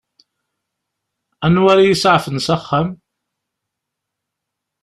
Anwa ara iyi-isaɛfen s axxam?